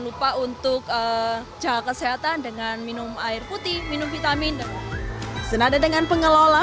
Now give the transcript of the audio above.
lupa untuk jaga kesehatan dengan minum air putih minum vitamin senada dengan pengelola